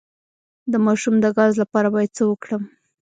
د ماشوم د ګاز لپاره باید څه وکړم؟